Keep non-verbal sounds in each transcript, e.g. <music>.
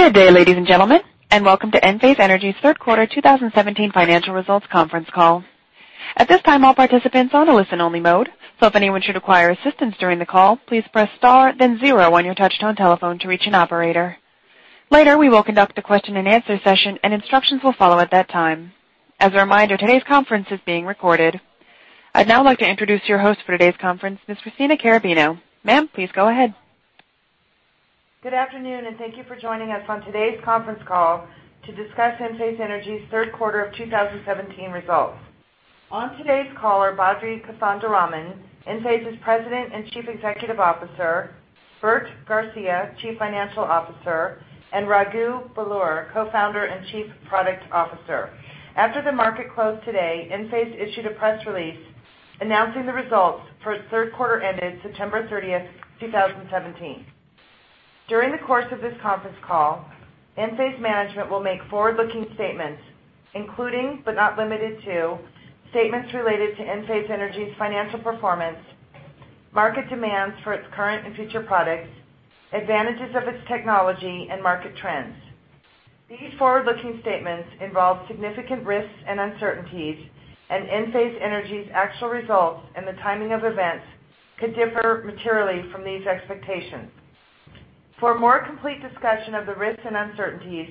Good day, ladies and gentlemen, and welcome to Enphase Energy's third quarter 2017 financial results conference call. At this time, all participants are on a listen-only mode. If anyone should require assistance during the call, please press star then zero on your touchtone telephone to reach an operator. Later, we will conduct a question and answer session. Instructions will follow at that time. As a reminder, today's conference is being recorded. I'd now like to introduce your host for today's conference, Ms. Christina Carrabino. Ma'am, please go ahead. Good afternoon. Thank you for joining us on today's conference call to discuss Enphase Energy's third quarter of 2017 results. On today's call are Badri Kothandaraman, Enphase's President and Chief Executive Officer, Bert Garcia, Chief Financial Officer, and Raghu Belur, Co-founder and Chief Product Officer. After the market closed today, Enphase issued a press release announcing the results for its third quarter ended September thirtieth, 2017. During the course of this conference call, Enphase management will make forward-looking statements, including, but not limited to, statements related to Enphase Energy's financial performance, market demands for its current and future products, advantages of its technology, and market trends. These forward-looking statements involve significant risks and uncertainties. Enphase Energy's actual results and the timing of events could differ materially from these expectations. For a more complete discussion of the risks and uncertainties,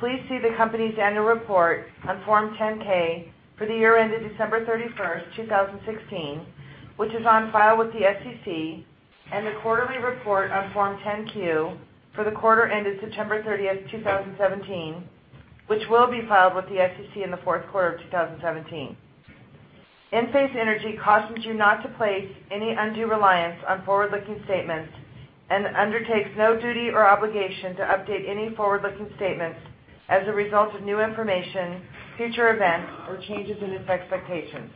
please see the company's annual report on Form 10-K for the year ended December thirty-first, 2016, which is on file with the SEC. The quarterly report on Form 10-Q for the quarter ended September thirtieth, 2017, which will be filed with the SEC in the fourth quarter of 2017. Enphase Energy cautions you not to place any undue reliance on forward-looking statements and undertakes no duty or obligation to update any forward-looking statements as a result of new information, future events, or changes in its expectations.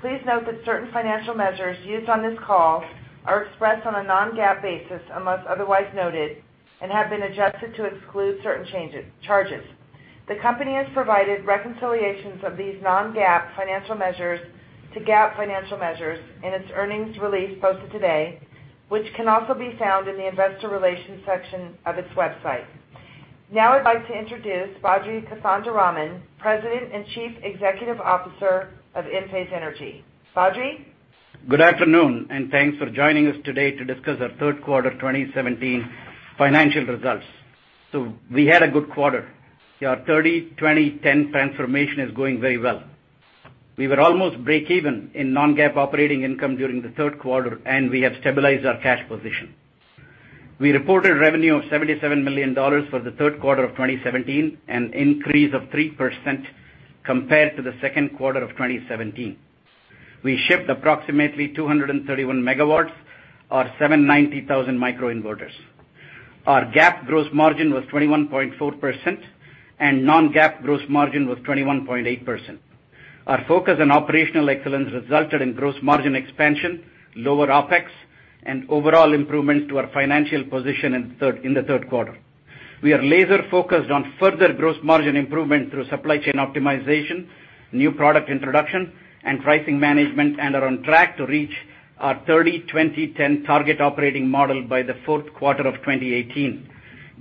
Please note that certain financial measures used on this call are expressed on a non-GAAP basis, unless otherwise noted, and have been adjusted to exclude certain charges. The company has provided reconciliations of these non-GAAP financial measures to GAAP financial measures in its earnings release posted today, which can also be found in the investor relations section of its website. I'd like to introduce Badri Kothandaraman, President and Chief Executive Officer of Enphase Energy. Badri? Good afternoon, and thanks for joining us today to discuss our third quarter 2017 financial results. We had a good quarter. Our 30-20-10 transformation is going very well. We were almost breakeven in non-GAAP operating income during the third quarter, and we have stabilized our cash position. We reported revenue of $77 million for the third quarter of 2017, an increase of 3% compared to the second quarter of 2017. We shipped approximately 231 megawatts or 790,000 microinverters. Our GAAP gross margin was 21.4%, and non-GAAP gross margin was 21.8%. Our focus on operational excellence resulted in gross margin expansion, lower OPEX, and overall improvement to our financial position in the third quarter. We are laser-focused on further gross margin improvement through supply chain optimization, new product introduction, and pricing management, and are on track to reach our 30-20-10 target operating model by the fourth quarter of 2018.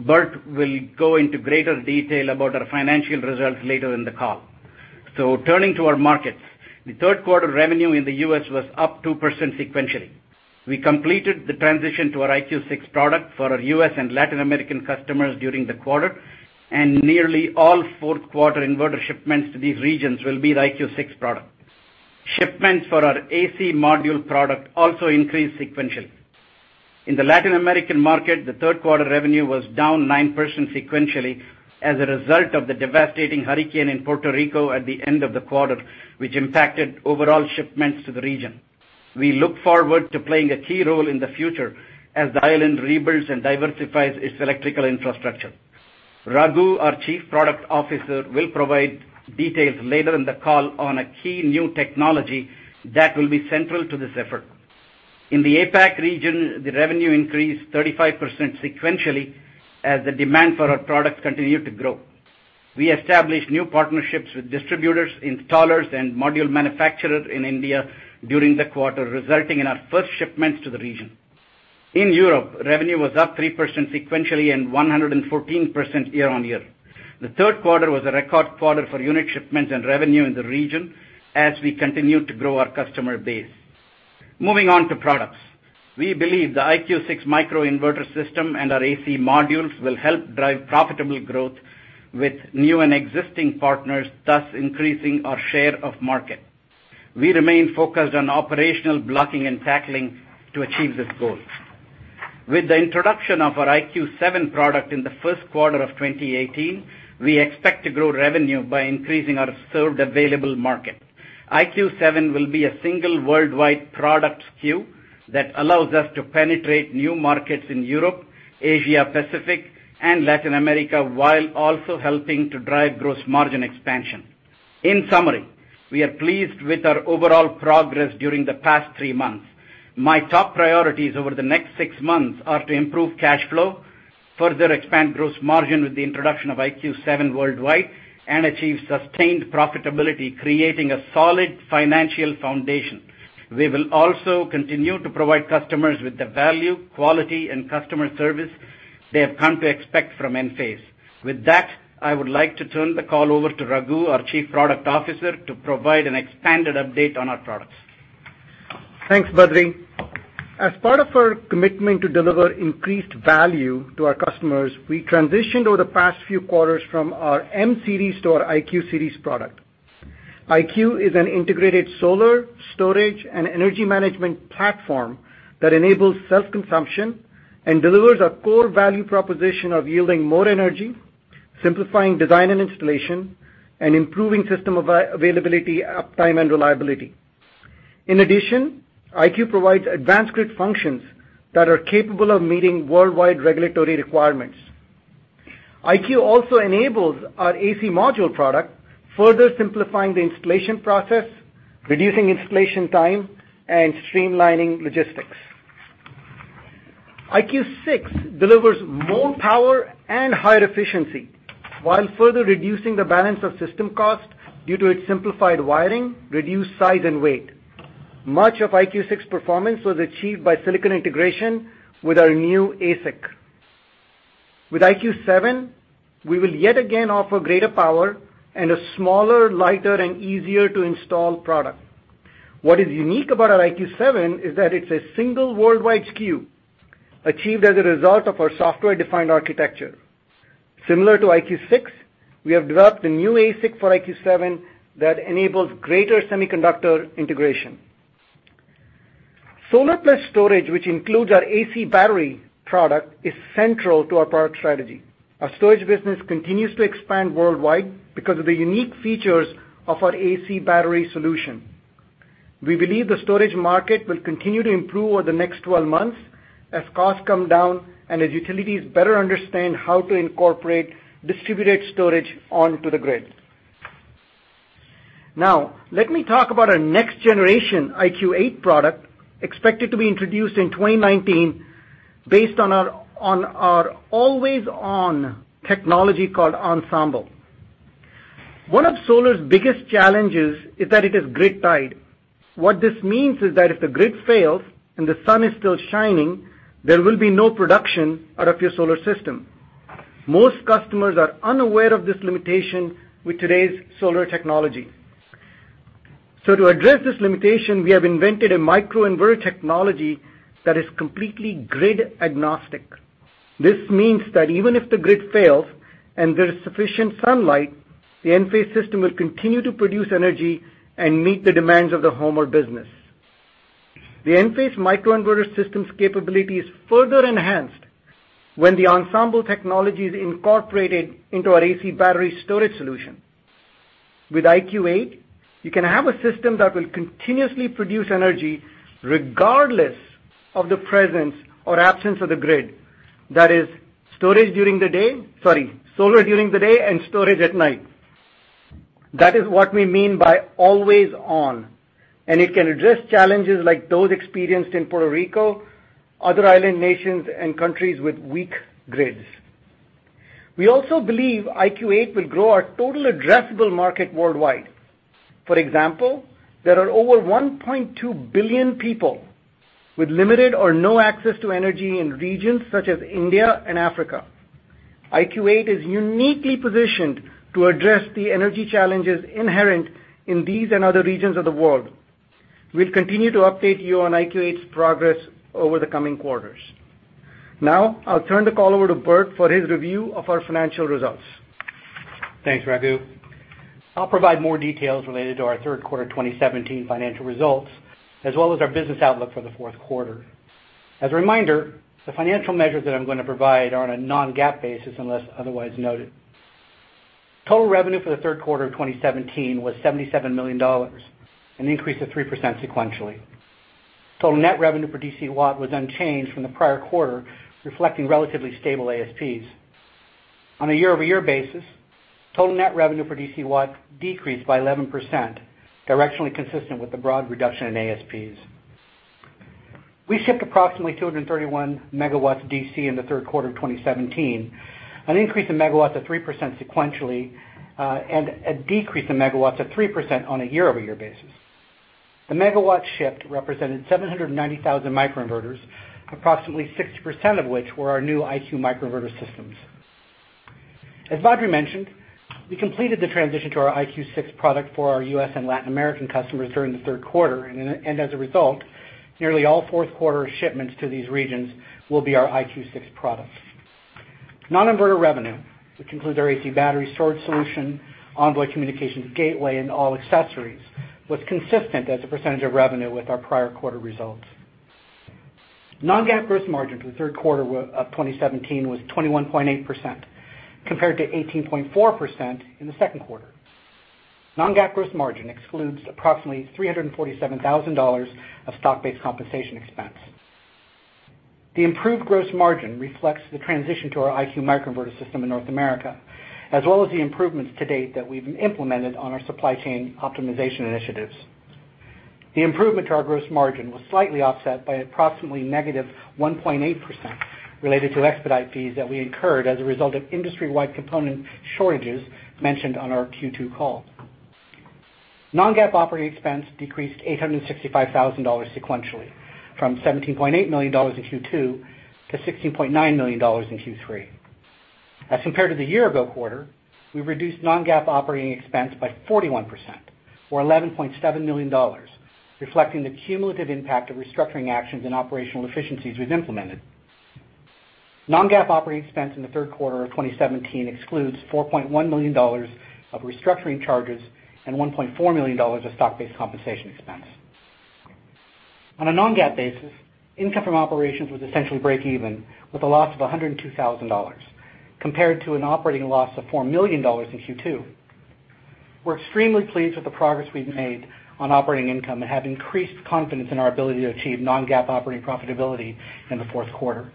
Bert will go into greater detail about our financial results later in the call. Turning to our markets, the third quarter revenue in the U.S. was up 2% sequentially. We completed the transition to our IQ 6 product for our U.S. and Latin American customers during the quarter, and nearly all fourth quarter inverter shipments to these regions will be the IQ 6 product. Shipments for our AC module product also increased sequentially. In the Latin American market, the third quarter revenue was down 9% sequentially as a result of the devastating hurricane in Puerto Rico at the end of the quarter, which impacted overall shipments to the region. We look forward to playing a key role in the future as the island rebuilds and diversifies its electrical infrastructure. Raghu, our Chief Products Officer, will provide details later in the call on a key new technology that will be central to this effort. In the APAC region, the revenue increased 35% sequentially as the demand for our products continued to grow. We established new partnerships with distributors, installers, and module manufacturers in India during the quarter, resulting in our first shipments to the region. In Europe, revenue was up 3% sequentially and 114% year-over-year. The third quarter was a record quarter for unit shipments and revenue in the region as we continued to grow our customer base. Moving on to products. We believe the IQ 6 microinverter system and our AC modules will help drive profitable growth with new and existing partners, thus increasing our share of market. We remain focused on operational blocking and tackling to achieve this goal. With the introduction of our IQ 7 product in the first quarter of 2018, we expect to grow revenue by increasing our served available market. IQ 7 will be a single worldwide product SKU that allows us to penetrate new markets in Europe, Asia-Pacific, and Latin America, while also helping to drive gross margin expansion. In summary, we are pleased with our overall progress during the past three months. My top priorities over the next six months are to improve cash flow, further expand gross margin with the introduction of IQ 7 worldwide, and achieve sustained profitability, creating a solid financial foundation. We will also continue to provide customers with the value, quality, and customer service they have come to expect from Enphase. With that, I would like to turn the call over to Raghu, our Chief Products Officer, to provide an expanded update on our products. Thanks, Badri. As part of our commitment to deliver increased value to our customers, we transitioned over the past few quarters from our M-Series to our IQ Series product. IQ is an integrated solar, storage, and energy management platform that enables self-consumption and delivers a core value proposition of yielding more energy, simplifying design and installation, and improving system availability, uptime, and reliability. In addition, IQ provides advanced grid functions that are capable of meeting worldwide regulatory requirements. IQ also enables our AC module product, further simplifying the installation process, reducing installation time, and streamlining logistics. IQ 6 delivers more power and higher efficiency while further reducing the balance of system cost due to its simplified wiring, reduced size, and weight. Much of IQ 6's performance was achieved by silicon integration with our new ASIC. With IQ 7, we will yet again offer greater power and a smaller, lighter, and easier-to-install product. What is unique about our IQ 7 is that it's a single worldwide SKU, achieved as a result of our software-defined architecture. Similar to IQ 6, we have developed a new ASIC for IQ 7 that enables greater semiconductor integration. Solar plus storage, which includes our AC battery product, is central to our product strategy. Our storage business continues to expand worldwide because of the unique features of our AC battery solution. We believe the storage market will continue to improve over the next 12 months as costs come down and as utilities better understand how to incorporate distributed storage onto the grid. Now, let me talk about our next generation IQ 8 product, expected to be introduced in 2019 based on our Always-On technology called Ensemble. One of solar's biggest challenges is that it is grid-tied. What this means is that if the grid fails and the sun is still shining, there will be no production out of your solar system. Most customers are unaware of this limitation with today's solar technology. To address this limitation, we have invented a microinverter technology that is completely grid-agnostic. This means that even if the grid fails and there is sufficient sunlight, the Enphase system will continue to produce energy and meet the demands of the home or business. The Enphase microinverter system's capability is further enhanced when the Ensemble technology is incorporated into our AC battery storage solution. With IQ 8, you can have a system that will continuously produce energy regardless of the presence or absence of the grid. That is solar during the day and storage at night. That is what we mean by Always-On, and it can address challenges like those experienced in Puerto Rico, other island nations, and countries with weak grids. We also believe IQ 8 will grow our total addressable market worldwide. For example, there are over 1.2 billion people with limited or no access to energy in regions such as India and Africa. IQ 8 is uniquely positioned to address the energy challenges inherent in these and other regions of the world. We'll continue to update you on IQ 8's progress over the coming quarters. I'll turn the call over to Bert for his review of our financial results. Thanks, Raghu. I'll provide more details related to our third quarter 2017 financial results, as well as our business outlook for the fourth quarter. As a reminder, the financial measures that I'm going to provide are on a non-GAAP basis unless otherwise noted. Total revenue for the third quarter of 2017 was $77 million, an increase of 3% sequentially. Total net revenue per DC watt was unchanged from the prior quarter, reflecting relatively stable ASPs. On a year-over-year basis, total net revenue per DC watt decreased by 11%, directionally consistent with the broad reduction in ASPs. We shipped approximately 231 megawatts DC in the third quarter of 2017, an increase in megawatts of 3% sequentially, and a decrease in megawatts of 3% on a year-over-year basis. The megawatts shipped represented 790,000 microinverters, approximately 60% of which were our new IQ microinverter systems. As Badri mentioned, we completed the transition to our IQ 6 product for our U.S. and Latin American customers during the third quarter. As a result, nearly all fourth quarter shipments to these regions will be our IQ 6 product. Non-inverter revenue, which includes our AC Battery storage solution, Envoy communications gateway, and all accessories, was consistent as a percentage of revenue with our prior quarter results. Non-GAAP gross margin for the third quarter of 2017 was 21.8%, compared to 18.4% in the second quarter. Non-GAAP gross margin excludes approximately $347,000 of stock-based compensation expense. The improved gross margin reflects the transition to our IQ microinverter system in North America, as well as the improvements to date that we've implemented on our supply chain optimization initiatives. The improvement to our gross margin was slightly offset by approximately negative 1.8% related to expedite fees that we incurred as a result of industry-wide component shortages mentioned on our Q2 call. Non-GAAP operating expense decreased $865,000 sequentially from $17.8 million in Q2 to $16.9 million in Q3. Compared to the year-ago quarter, we reduced non-GAAP operating expense by 41%, or $11.7 million, reflecting the cumulative impact of restructuring actions and operational efficiencies we've implemented. Non-GAAP operating expense in the third quarter of 2017 excludes $4.1 million of restructuring charges and $1.4 million of stock-based compensation expense. On a non-GAAP basis, income from operations was essentially breakeven with a loss of $102,000, compared to an operating loss of $4 million in Q2. We're extremely pleased with the progress we've made on operating income and have increased confidence in our ability to achieve non-GAAP operating profitability in the fourth quarter.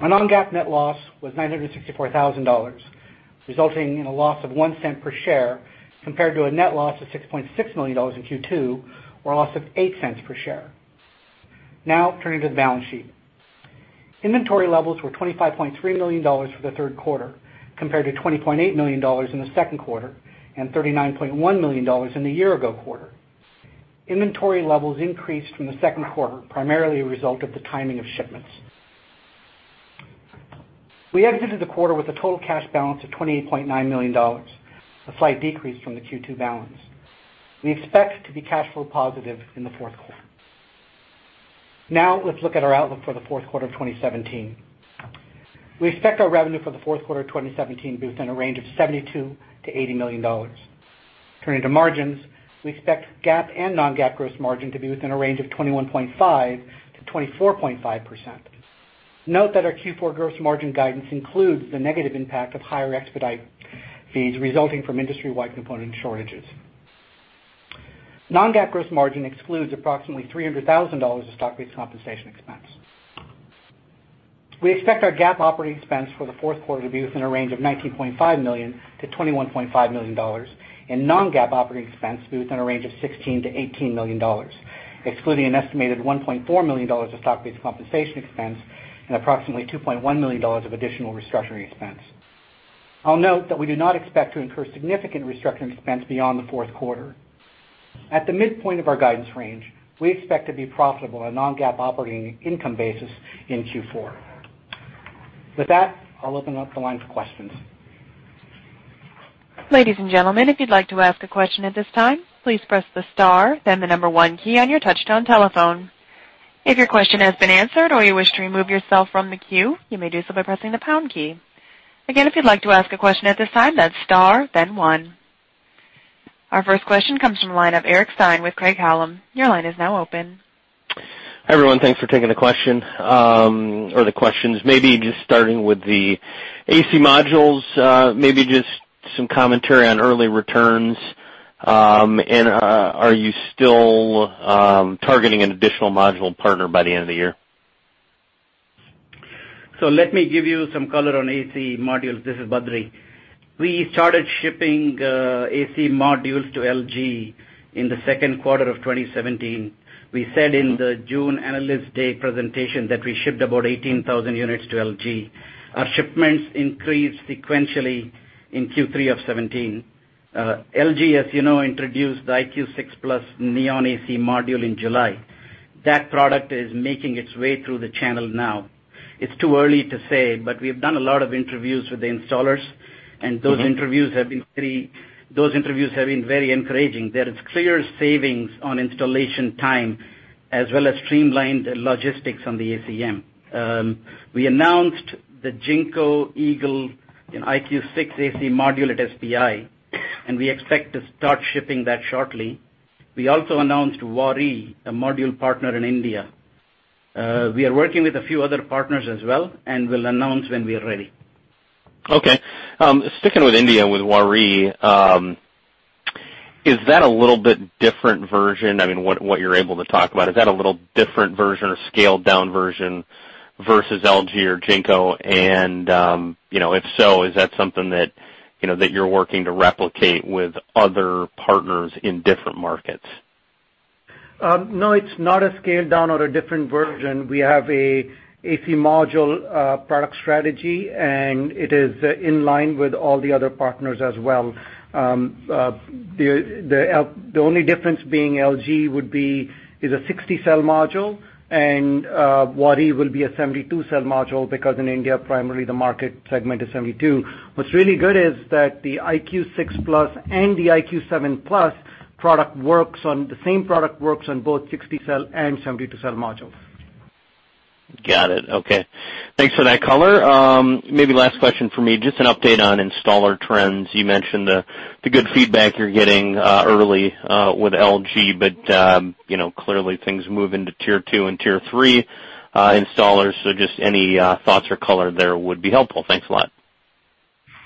Our non-GAAP net loss was $964,000, resulting in a loss of $0.01 per share, compared to a net loss of $6.6 million in Q2, or a loss of $0.08 per share. Turning to the balance sheet. Inventory levels were $25.3 million for the third quarter, compared to $20.8 million in the second quarter and $39.1 million in the year-ago quarter. Inventory levels increased from the second quarter, primarily a result of the timing of shipments. We exited the quarter with a total cash balance of $28.9 million, a slight decrease from the Q2 balance. We expect to be cash flow positive in the fourth quarter. Let's look at our outlook for the fourth quarter of 2017. We expect our revenue for the fourth quarter of 2017 to be within a range of $72 million-$80 million. Turning to margins, we expect GAAP and non-GAAP gross margin to be within a range of 21.5%-24.5%. Note that our Q4 gross margin guidance includes the negative impact of higher expedite fees resulting from industry-wide component shortages. Non-GAAP gross margin excludes approximately $300,000 of stock-based compensation expense. We expect our GAAP operating expense for the fourth quarter to be within a range of $19.5 million-$21.5 million and non-GAAP operating expense to be within a range of $16 million-$18 million, excluding an estimated $1.4 million of stock-based compensation expense and approximately $2.1 million of additional restructuring expense. I'll note that we do not expect to incur significant restructuring expense beyond the fourth quarter. At the midpoint of our guidance range, we expect to be profitable on a non-GAAP operating income basis in Q4. I'll open up the line for questions. Ladies and gentlemen, if you'd like to ask a question at this time, please press the star then the number 1 key on your touchtone telephone. If your question has been answered or you wish to remove yourself from the queue, you may do so by pressing the pound key. Again, if you'd like to ask a question at this time, that's star then 1. Our first question comes from the line of Eric Stine with Craig-Hallum. Your line is now open. Hi, everyone. Thanks for taking the question, or the questions. Maybe just starting with the AC modules. Maybe just some commentary on early returns. Are you still targeting an additional module partner by the end of the year? Let me give you some color on AC modules. This is Badri. We started shipping AC modules to LG in the second quarter of 2017. We said in the June Analyst Day presentation that we shipped about 18,000 units to LG. Our shipments increased sequentially in Q3 of 2017. LG, as you know, introduced the IQ 6+ NeON AC module in July. That product is making its way through the channel now. It's too early to say, we've done a lot of interviews with the installers, and those interviews have been very encouraging. There is clear savings on installation time, as well as streamlined logistics on the ACM. We announced the Jinko Eagle and IQ 6 AC module at SPI, and we expect to start shipping that shortly. We also announced Waaree, a module partner in India. We are working with a few other partners as well and will announce when we are ready. Sticking with India, with Waaree, is that a little bit different version? What you're able to talk about, is that a little different version or scaled-down version versus LG or Jinko? If so, is that something that you're working to replicate with other partners in different markets? No, it's not a scaled down or a different version. We have a AC module product strategy, and it is in line with all the other partners as well. The only difference being LG would be is a 60-cell module, Waaree will be a 72-cell module because in India, primarily the market segment is 72. What's really good is that the IQ 6+ and the IQ 7+, the same product works on both 60-cell and 72-cell modules. Got it. Okay. Thanks for that color. Maybe last question from me, just an update on installer trends. You mentioned the good feedback you're getting early with LG. Clearly things move into tier 2 and tier 3 installers. Just any thoughts or color there would be helpful. Thanks a lot.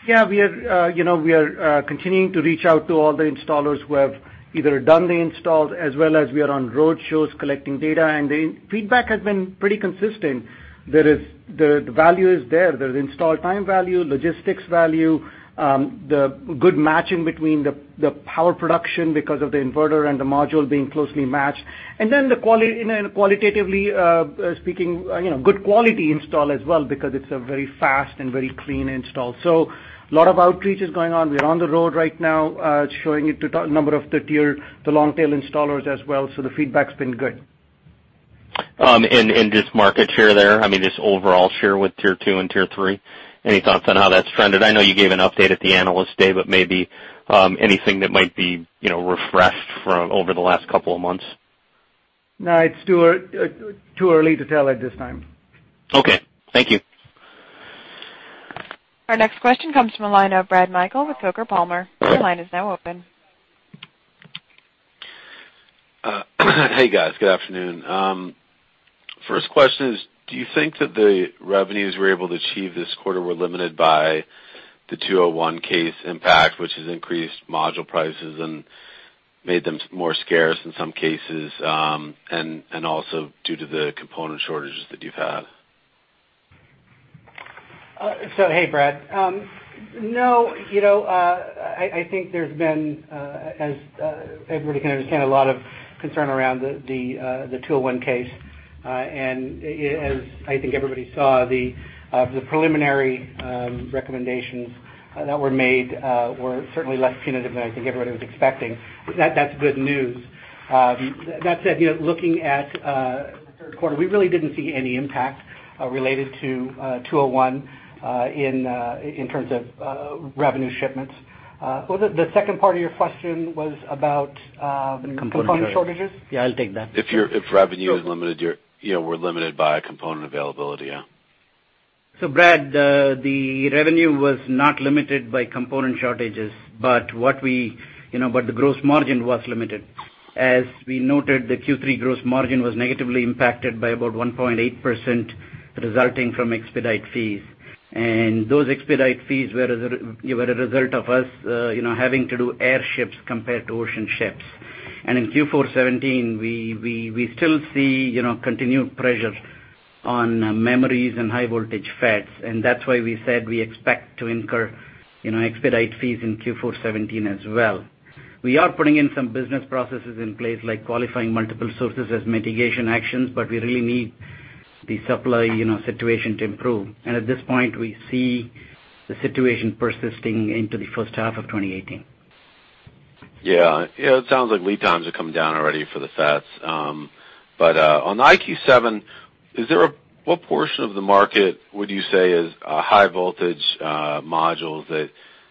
Yeah, we are continuing to reach out to all the installers who have either done the installs as well as we are on road shows collecting data, the feedback has been pretty consistent. The value is there. There's install time value, logistics value, the good matching between the power production because of the inverter and the module being closely matched. Qualitatively speaking, good quality install as well because it's a very fast and very clean install. A lot of outreach is going on. We're on the road right now, showing it to a number of the tier, the long-tail installers as well. The feedback's been good. Just market share there, I mean just overall share with tier 2 and tier 3. Any thoughts on how that's trended? I know you gave an update at the Analyst Day, maybe anything that might be refreshed from over the last couple of months? No, it's too early to tell at this time. Okay. Thank you. Our next question comes from the line of Bradford Meikle with Coker Palmer. Your line is now open. Hey, guys. Good afternoon. First question is, do you think that the revenues you were able to achieve this quarter were limited by the 201 case impact, which has increased module prices and made them more scarce in some cases, and also due to the component shortages that you've had? Hey, Brad. No, I think there's been, as everybody can understand, a lot of concern around the 201 case. As I think everybody saw, the preliminary recommendations that were made were certainly less punitive than I think everybody was expecting. That's good news. That said, looking at the third quarter, we really didn't see any impact related to 201 in terms of revenue shipments. The second part of your question was. Component shortages Component shortages? Yeah, I'll take that. If revenue is limited, we're limited by component availability, yeah. Brad, the revenue was not limited by component shortages, but the gross margin was limited. As we noted, the Q3 gross margin was negatively impacted by about 1.8%, resulting from expedite fees. Those expedite fees were a result of us having to do air ships compared to ocean ships. In Q4 2017, we still see continued pressure on memories and high voltage FETs, and that's why we said we expect to incur expedite fees in Q4 2017 as well. We are putting in some business processes in place, like qualifying multiple sources as mitigation actions, but we really need the supply situation to improve. At this point, we see the situation persisting into the first half of 2018. Yeah. It sounds like lead times are coming down already for the FETs. On the IQ 7, what portion of the market would you say is high voltage modules that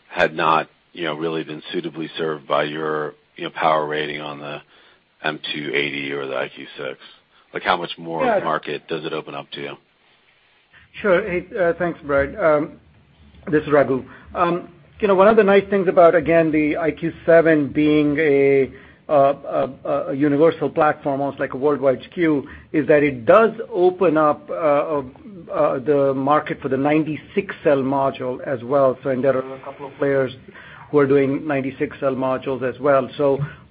had not really been suitably served by your power rating on the M280 or the IQ 6? Like how much more of the market does it open up to you? Sure. Hey, thanks, Brad. This is Raghu. One of the nice things about, again, the IQ 7 being a universal platform, almost like a worldwide SKU, is that it does open up the market for the 96-cell module as well. There are a couple of players who are doing 96-cell modules as well.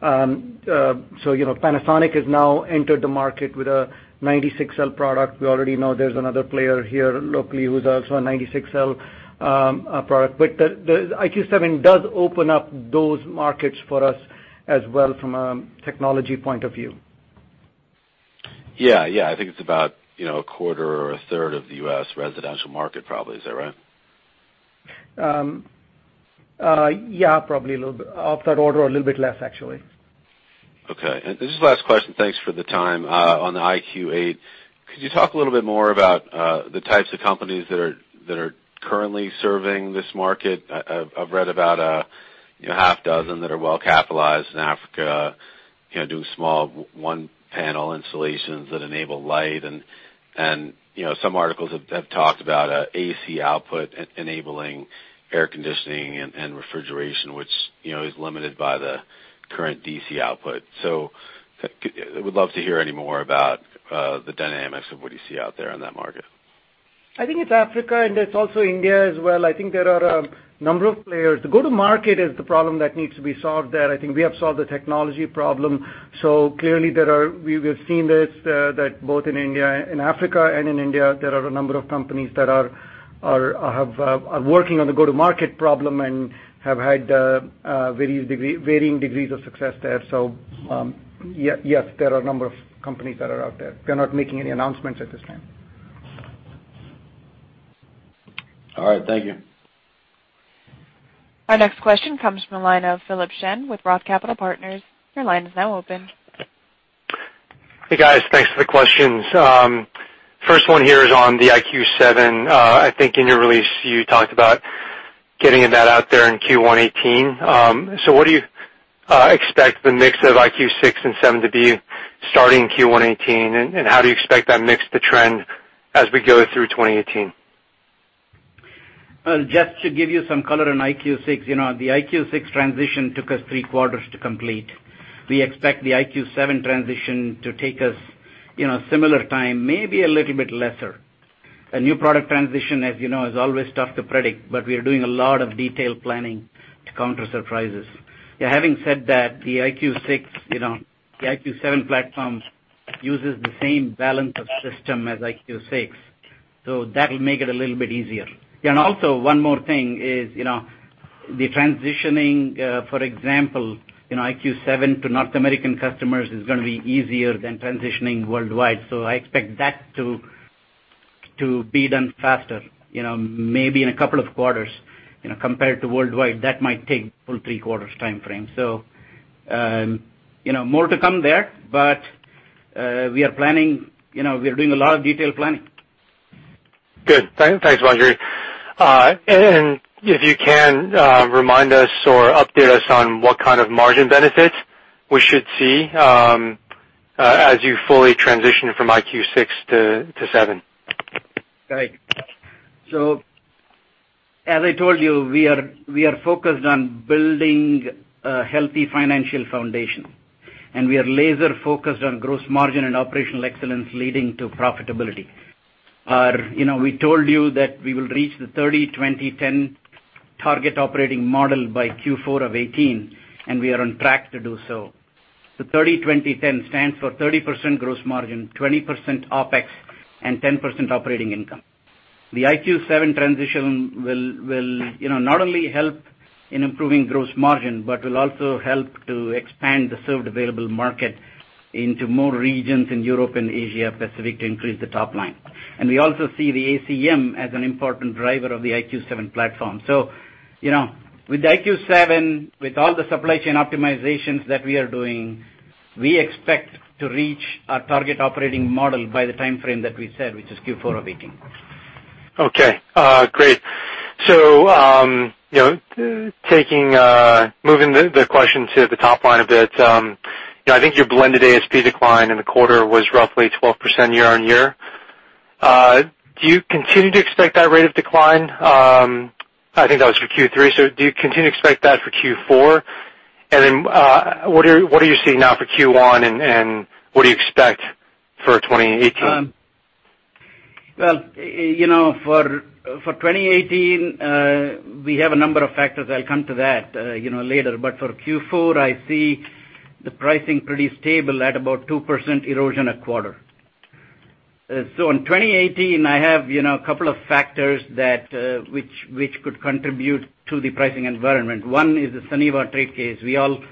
Panasonic has now entered the market with a 96-cell product. We already know there's another player here locally who's also a 96-cell product, the IQ 7 does open up those markets for us as well from a technology point of view. Yeah. I think it's about a 1/4 or a 1/3 of the U.S. residential market probably. Is that right? Yeah, probably a little bit of that order or a little bit less actually. Okay. This is the last question. Thanks for the time. On the IQ8, could you talk a little bit more about the types of companies that are currently serving this market? I've read about a half dozen that are well capitalized in Africa, doing small one-panel installations that enable light, and some articles have talked about AC output enabling air conditioning and refrigeration, which is limited by the current DC output. Would love to hear any more about the dynamics of what you see out there in that market. I think it's Africa and it's also India as well. I think there are a number of players. The go-to-market is the problem that needs to be solved there. I think we have solved the technology problem. Clearly we have seen this, that both in Africa and in India, there are a number of companies that are working on the go-to-market problem and have had varying degrees of success there. Yes, there are a number of companies that are out there. We are not making any announcements at this time. All right. Thank you. Our next question comes from the line of Philip Shen with Roth Capital Partners. Your line is now open. Hey, guys. Thanks for the questions. First one here is on the IQ 7. I think in your release you talked about getting that out there in Q1 2018. What do you expect the mix of IQ 6 and 7 to be starting Q1 2018, and how do you expect that mix to trend as we go through 2018? Just to give you some color on IQ 6, the IQ 6 transition took us three quarters to complete. We expect the IQ 7 transition to take us similar time, maybe a little bit lesser. A new product transition, as you know, is always tough to predict, but we are doing a lot of detailed planning to counter surprises. Having said that, the IQ 7 platform uses the same balance of system as IQ 6, so that'll make it a little bit easier. Also one more thing is the transitioning, for example, IQ 7 to North American customers is going to be easier than transitioning worldwide. I expect that to be done faster, maybe in a couple of quarters, compared to worldwide, that might take full three quarters timeframe. More to come there, but we are doing a lot of detailed planning. Good. Thanks, Badri. If you can remind us or update us on what kind of margin benefits we should see as you fully transition from IQ 6 to IQ 7. Right. As I told you, we are focused on building a healthy financial foundation. We are laser-focused on gross margin and operational excellence leading to profitability. We told you that we will reach the 30-20-10 target operating model by Q4 of 2018, and we are on track to do so. The 30-20-10 stands for 30% gross margin, 20% OPEX, and 10% operating income. The IQ 7 transition will not only help in improving gross margin but will also help to expand the served available market into more regions in Europe and Asia Pacific to increase the top line. We also see the ACM as an important driver of the IQ 7 platform. With the IQ 7, with all the supply chain optimizations that we are doing, we expect to reach our target operating model by the timeframe that we said, which is Q4 of 2018. Okay. Great. Moving the question to the top line a bit. I think your blended ASP decline in the quarter was roughly 12% year-over-year. Do you continue to expect that rate of decline? I think that was for Q3. Do you continue to expect that for Q4? What are you seeing now for Q1, and what do you expect for 2018? Well, for 2018, we have a number of factors. I'll come to that later. For Q4, I see the pricing pretty stable at about 2% erosion a quarter. In 2018, I have a couple of factors which could contribute to the pricing environment. One is the Suniva trade case. We all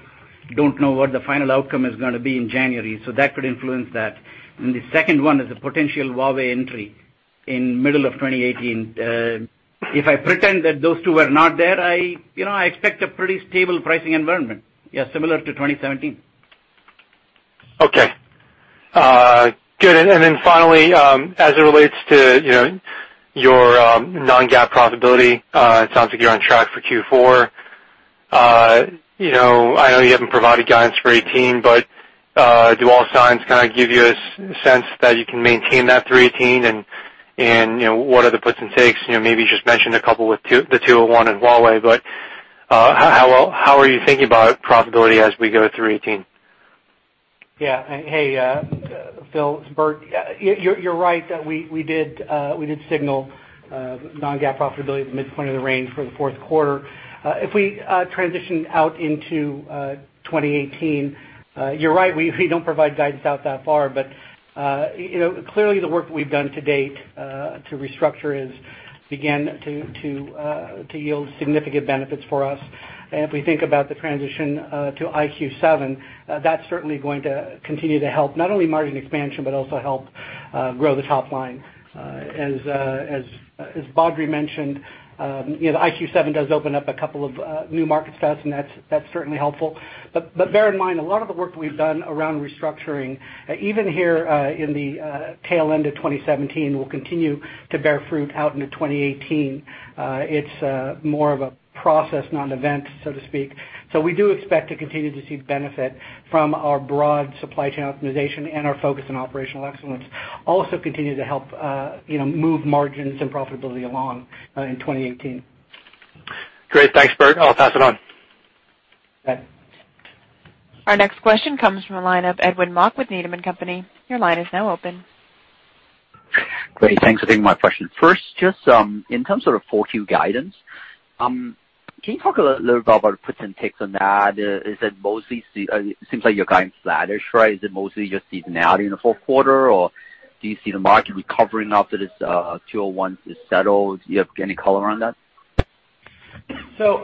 don't know what the final outcome is going to be in January. That could influence that. The second one is the potential Huawei entry in middle of 2018. If I pretend that those two were not there, I expect a pretty stable pricing environment. Yeah, similar to 2017. Okay. Good. Finally, as it relates to your non-GAAP profitability, it sounds like you're on track for Q4. I know you haven't provided guidance for 2018. Do all signs kind of give you a sense that you can maintain that through 2018, and what are the puts and takes? Maybe you just mentioned a couple with the 201 and Huawei. How are you thinking about profitability as we go through 2018? Yeah. Hey, Phil, it's Bert. You're right, that we did signal non-GAAP profitability at the midpoint of the range for the fourth quarter. If we transition out into 2018, you're right, we don't provide guidance out that far. Clearly the work we've done to date to restructure has began to yield significant benefits for us. If we think about the transition to IQ 7, that's certainly going to continue to help, not only margin expansion, but also help grow the top line. As Badri mentioned, IQ 7 does open up a couple of new markets for us, and that's certainly helpful. Bear in mind, a lot of the work that we've done around restructuring, even here in the tail end of 2017, will continue to bear fruit out into 2018. It's more of a process, not an event, so to speak. We do expect to continue to see benefit from our broad supply chain optimization and our focus on operational excellence also continue to help move margins and profitability along in 2018. Great. Thanks, Bert. I'll pass it on. Okay. Our next question comes from the line of Edwin Mok with Needham & Company. Your line is now open. Great. Thanks for taking my question. First, just in terms of the 4Q guidance, can you talk a little bit about puts and takes on that? It seems like you're going flattish, right? Is it mostly just seasonality in the fourth quarter, or do you see the market recovering after this 201 is settled? Do you have any color on that?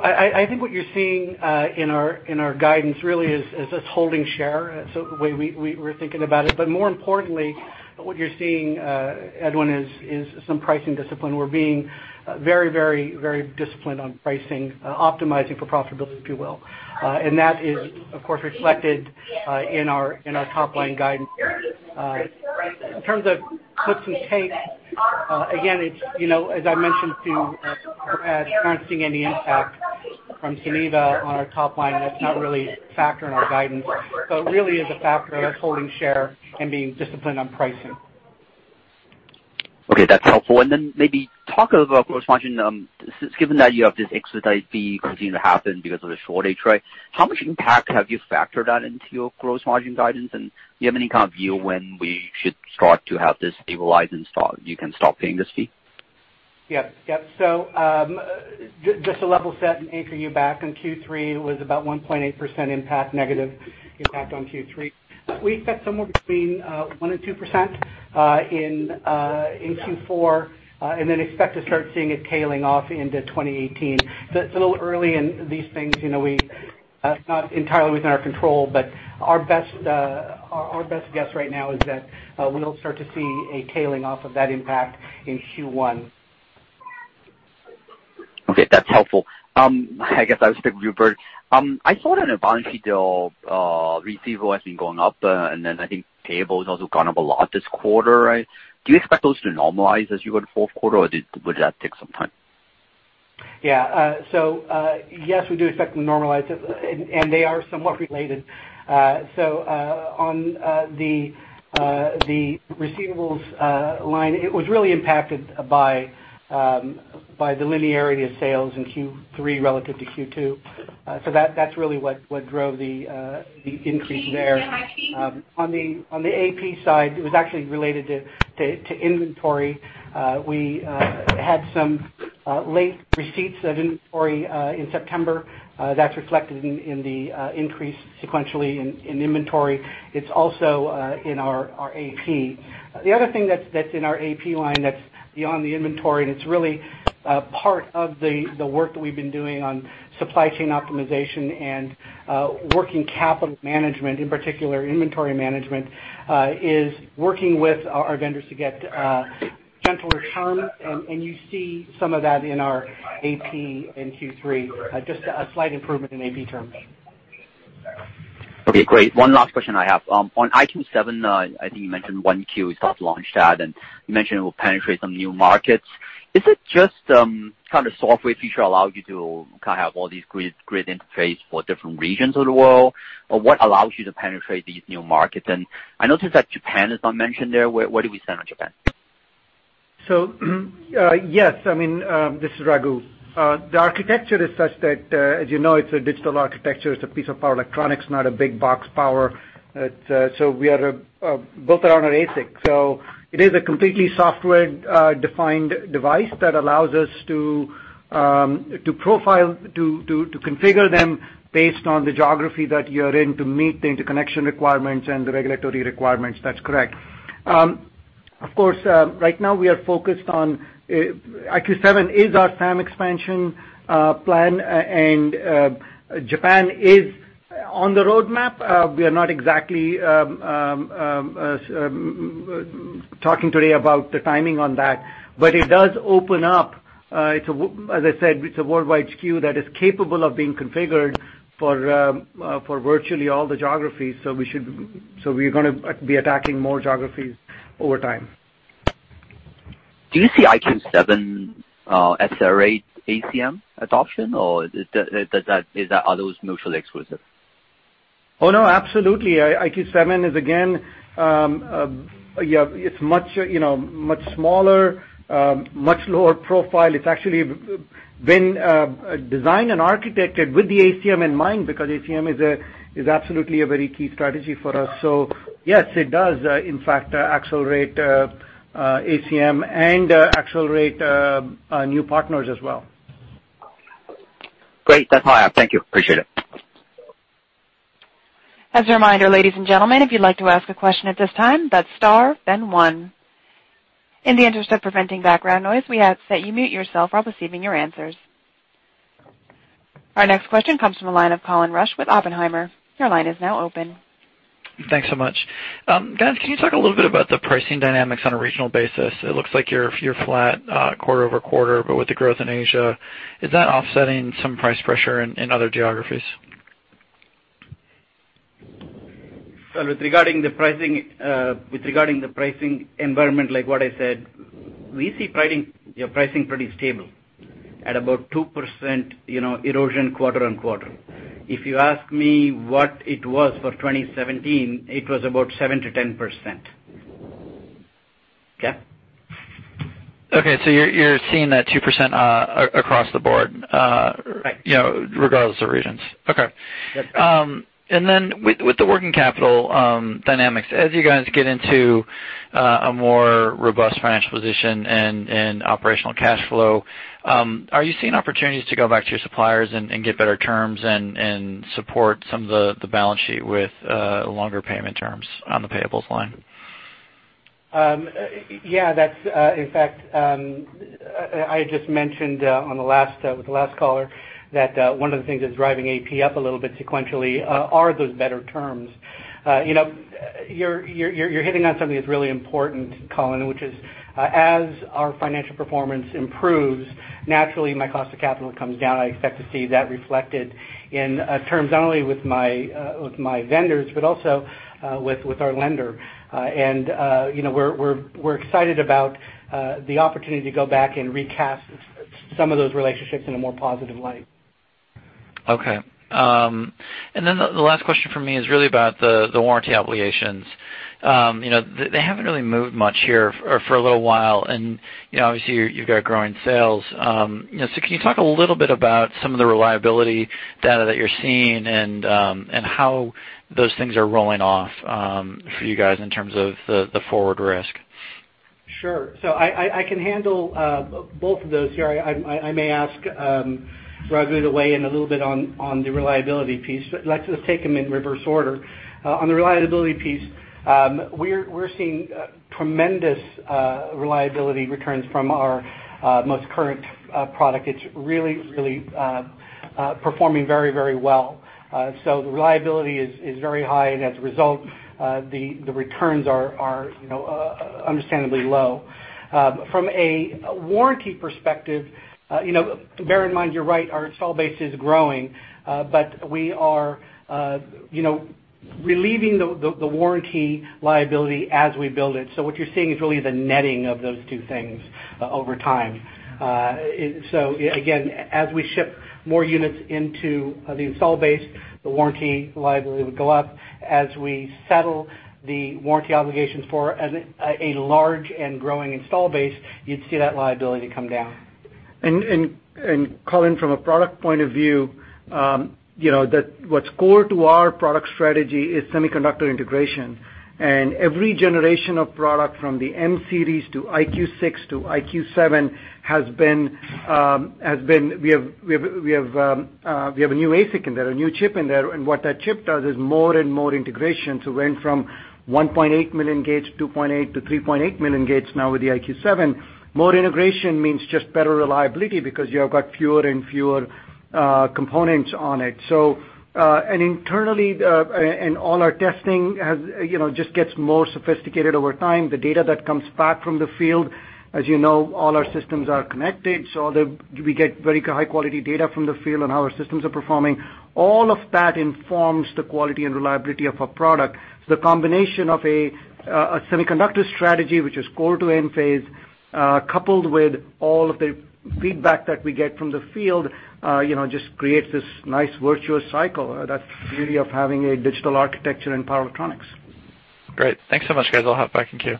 I think what you're seeing in our guidance really is us holding share. The way we're thinking about it, but more importantly, what you're seeing, Edwin, is some pricing discipline. We're being very disciplined on pricing, optimizing for profitability, if you will. That is, of course, reflected in our top-line guidance. In terms of puts and takes, again, as I mentioned to Brad, we're not seeing any impact from Suniva on our top line, and that's not really a factor in our guidance. It really is a factor of us holding share and being disciplined on pricing. Okay, that's helpful. Then maybe talk about gross margin. Given that you have this exit fee continuing to happen because of the shortage, right, how much impact have you factored that into your gross margin guidance? Do you have any kind of view when we should start to have this stabilize and you can stop paying this fee? Yep. Just to level set and anchor you back on Q3, was about 1.8% negative impact on Q3. We expect somewhere between 1% and 2% in Q4. Then expect to start seeing it tailing off into 2018. It's a little early in these things. It's not entirely within our control, but our best guess right now is that we'll start to see a tailing off of that impact in Q1. Okay, that's helpful. I guess I'll stick with you, Bert. I saw that the balance sheet receivable has been going up, and then I think payable has also gone up a lot this quarter, right? Do you expect those to normalize as you go to fourth quarter, or would that take some time? Yeah. Yes, we do expect them to normalize, and they are somewhat related. On the receivables line, it was really impacted by the linearity of sales in Q3 relative to Q2. That's really what drove the increase there. On the AP side, it was actually related to inventory. We had some late receipts of inventory in September. That's reflected in the increase sequentially in inventory. It's also in our AP. The other thing that's in our AP line that's beyond the inventory, and it's really part of the work that we've been doing on supply chain optimization and working capital management, in particular inventory management, is working with our vendors to get gentler terms, and you see some of that in our AP in Q3. Just a slight improvement in AP terms. Okay, great. One last question I have. On IQ 7, I think you mentioned 1Q, you start to launch that, and you mentioned it will penetrate some new markets. Is it just the kind of software feature allow you to have all these great interface for different regions of the world? Or what allows you to penetrate these new markets? I noticed that Japan is not mentioned there. Where do we stand on Japan? Yes, this is Raghu. The architecture is such that, as you know, it's a digital architecture. It's a piece of power electronics, not a big box power. We are built around an ASIC. It is a completely software-defined device that allows us to configure them based on the geography that you're in to meet the interconnection requirements and the regulatory requirements. That's correct. Of course, right now we are focused on IQ 7 is our SAM expansion plan, and Japan is on the roadmap. We are not exactly talking today about the timing on that, but it does open up. As I said, it's a worldwide SKU that is capable of being configured for virtually all the geographies. We're going to be attacking more geographies over time. Do you see IQ 7 accelerate ACM adoption, or are those mutually exclusive? Oh, no, absolutely. IQ 7 is, again, much smaller, much lower profile. It's actually been designed and architected with the ACM in mind because ACM is absolutely a very key strategy for us. Yes, it does, in fact, accelerate ACM and accelerate new partners as well. Great. That's all I have. Thank you. Appreciate it. As a reminder, ladies and gentlemen, if you'd like to ask a question at this time, that's star then one. In the interest of preventing background noise, we ask that you mute yourself while receiving your answers. Our next question comes from the line of Colin Rusch with Oppenheimer. Your line is now open. Thanks so much. Guys, can you talk a little bit about the pricing dynamics on a regional basis? It looks like you're flat quarter-over-quarter, with the growth in Asia, is that offsetting some price pressure in other geographies? With regarding the pricing environment, like what I said, we see pricing pretty stable at about 2% erosion quarter-on-quarter. If you ask me what it was for 2017, it was about 7%-10%. Okay? Okay. You're seeing that 2% across the board. Right Regardless of regions. Okay. Yes. With the working capital dynamics, as you guys get into a more robust financial position and operational cash flow, are you seeing opportunities to go back to your suppliers and get better terms and support some of the balance sheet with longer payment terms on the payables line? Yeah. In fact, I just mentioned with the last caller that one of the things that's driving AP up a little bit sequentially are those better terms. You're hitting on something that's really important, Colin, which is, as our financial performance improves, naturally my cost of capital comes down. I expect to see that reflected in terms not only with my vendors but also with our lender. We're excited about the opportunity to go back and recast some of those relationships in a more positive light. Okay. The last question from me is really about the warranty obligations. They haven't really moved much here for a little while, and obviously, you've got growing sales. Can you talk a little bit about some of the reliability data that you're seeing and how those things are rolling off for you guys in terms of the forward risk? Sure. I can handle both of those here. I may ask Raghu to weigh in a little bit on the reliability piece, but let's just take them in reverse order. On the reliability piece, we're seeing tremendous reliability returns from our most current product. It's really performing very well. The reliability is very high, and as a result, the returns are understandably low. From a warranty perspective, bear in mind, you're right, our install base is growing, but we are relieving the warranty liability as we build it. What you're seeing is really the netting of those two things over time. Again, as we ship more units into the install base, the warranty liability would go up. As we settle the warranty obligations for a large and growing install base, you'd see that liability come down. Colin, from a product point of view, what's core to our product strategy is semiconductor integration. Every generation of product from the M-Series to IQ 6 to IQ 7, we have a new ASIC in there, a new chip in there. What that chip does is more and more integration to went from 1.8 million gates, 2.8 to 3.8 million gates now with the IQ 7. More integration means just better reliability because you have got fewer and fewer components on it. Internally, all our testing just gets more sophisticated over time. The data that comes back from the field, as you know, all our systems are connected, so we get very high-quality data from the field on how our systems are performing. All of that informs the quality and reliability of our product. The combination of a semiconductor strategy, which is core to Enphase, coupled with all of the feedback that we get from the field, just creates this nice virtuous cycle that's really of having a digital architecture in power electronics. Great. Thanks so much, guys. I'll hop back in queue.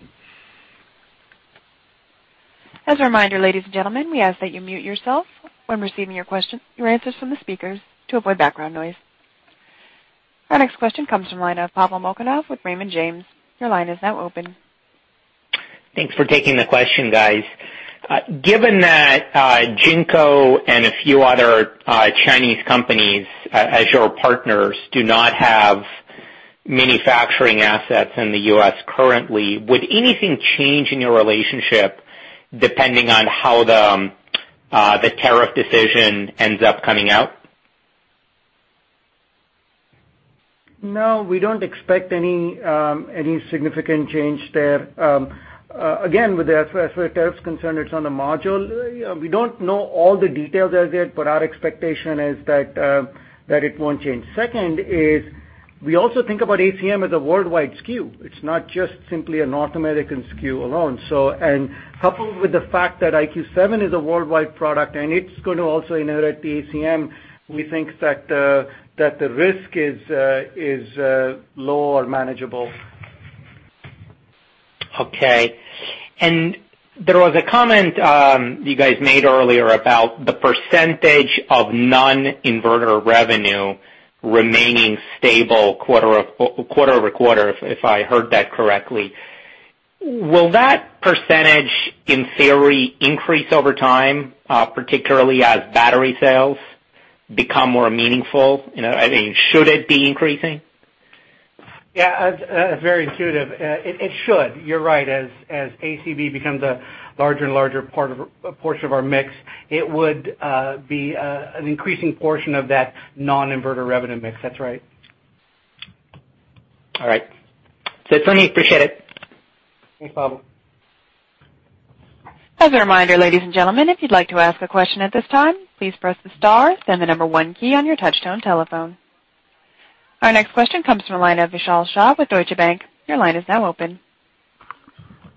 As a reminder, ladies and gentlemen, we ask that you mute yourself when receiving your answers from the speakers to avoid background noise. Our next question comes from the line of Pavel Molchanov with Raymond James. Your line is now open. Thanks for taking the question, guys. Given that Jinko and a few other Chinese companies, as your partners, do not have manufacturing assets in the U.S. currently, would anything change in your relationship depending on how the tariff decision ends up coming out? No, we don't expect any significant change there. Again, as far as tariff's concerned, it's on the module. We don't know all the details as yet, but our expectation is that it won't change. Second is, we also think about ACM as a worldwide SKU. It's not just simply a North American SKU alone. Coupled with the fact that IQ 7 is a worldwide product and it's going to also inherit the ACM, we think that the risk is low or manageable. Okay. There was a comment you guys made earlier about the percentage of non-inverter revenue remaining stable quarter-over-quarter, if I heard that correctly. Will that percentage, in theory, increase over time, particularly as battery sales become more meaningful? Should it be increasing? Yeah. That's very intuitive. It should. You're right. As ACM becomes a larger and larger portion of our mix, it would be an increasing portion of that non-inverter revenue mix. That's right. All right. <inaudible> appreciate it. Thanks, Pavel. As a reminder, ladies and gentlemen, if you'd like to ask a question at this time, please press the star, then the number 1 key on your touchtone telephone. Our next question comes from the line of Vishal Shah with Deutsche Bank. Your line is now open.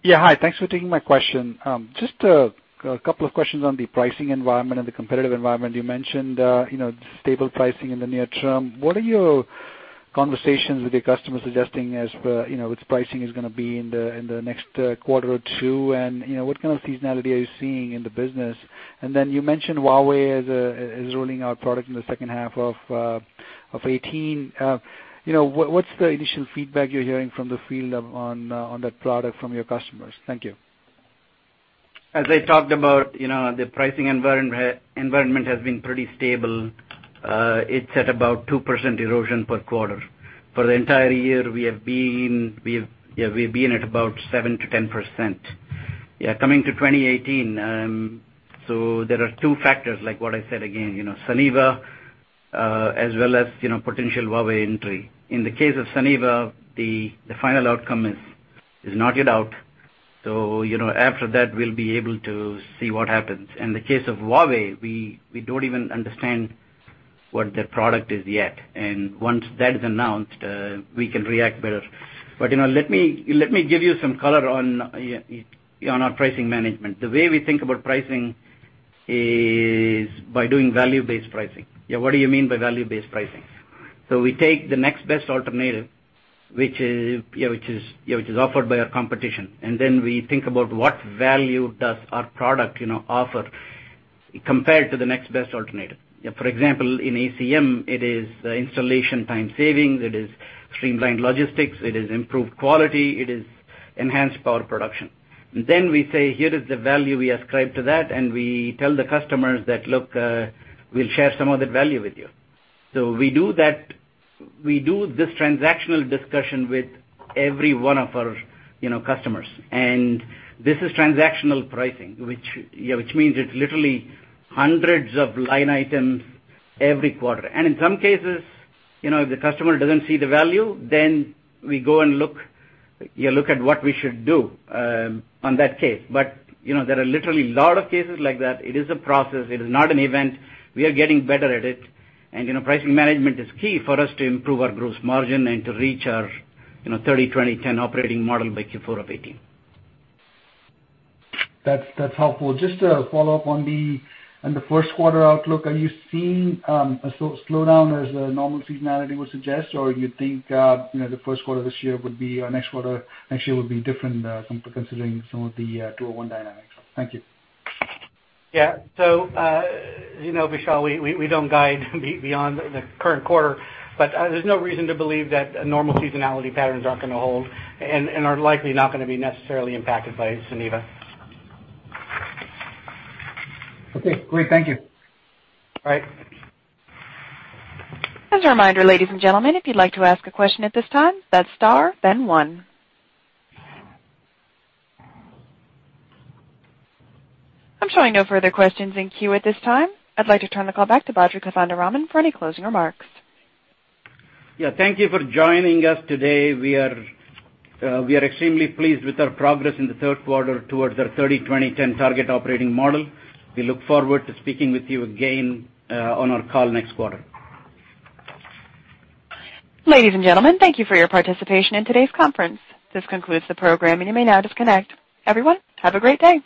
Hi. Thanks for taking my question. Just a couple of questions on the pricing environment and the competitive environment. You mentioned stable pricing in the near term. What are your conversations with your customers suggesting as for its pricing is going to be in the next quarter or 2, and what kind of seasonality are you seeing in the business? You mentioned Huawei is rolling out product in the second half of 2018. What's the initial feedback you're hearing from the field on that product from your customers? Thank you. As I talked about, the pricing environment has been pretty stable. It's at about 2% erosion per quarter. For the entire year, we have been at about 7%-10%. Coming to 2018, there are two factors, like what I said again. Suniva, as well as potential Huawei entry. In the case of Suniva, the final outcome is not yet out. After that, we'll be able to see what happens. In the case of Huawei, we don't even understand what their product is yet. Once that is announced, we can react better. Let me give you some color on our pricing management. The way we think about pricing is by doing value-based pricing. What do you mean by value-based pricing? We take the next best alternative, which is offered by our competition, and then we think about what value does our product offer Compared to the next best alternative. For example, in ACM, it is installation time saving, it is streamlined logistics, it is improved quality, it is enhanced power production. We say, "Here is the value we ascribe to that," and we tell the customers that, "Look, we'll share some of that value with you." We do this transactional discussion with every one of our customers. This is transactional pricing, which means it's literally hundreds of line items every quarter. In some cases, if the customer doesn't see the value, then we go and look at what we should do on that case. There are literally a lot of cases like that. It is a process. It is not an event. We are getting better at it. Pricing management is key for us to improve our gross margin and to reach our 30-20-10 operating model by Q4 of 2018. That's helpful. Just a follow-up on the first quarter outlook. Are you seeing a slowdown as the normal seasonality would suggest? Or you think the first quarter this year would be, or next quarter actually would be different, considering some of the 201 dynamics? Thank you. Vishal, we don't guide beyond the current quarter. There's no reason to believe that normal seasonality patterns aren't going to hold and are likely not going to be necessarily impacted by Suniva. Okay, great. Thank you. All right. As a reminder, ladies and gentlemen, if you'd like to ask a question at this time, that's star then one. I'm showing no further questions in queue at this time. I'd like to turn the call back to Badri Kothandaraman for any closing remarks. Yeah. Thank you for joining us today. We are extremely pleased with our progress in the third quarter towards our 30-20-10 target operating model. We look forward to speaking with you again on our call next quarter. Ladies and gentlemen, thank you for your participation in today's conference. This concludes the program, and you may now disconnect. Everyone, have a great day.